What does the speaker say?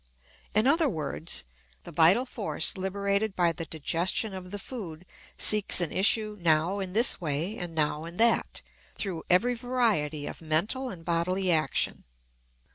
In other words, the vital force liberated by the digestion of the food seeks an issue now in this way and now in that, through every variety of mental and bodily action.